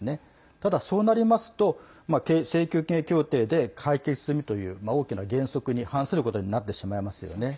ただ、そうなりますと請求権協定で解決済みという大きな原則に反することになってしまいますよね。